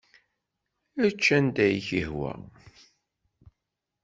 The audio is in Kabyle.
Ečč anda ay ak-yehwa.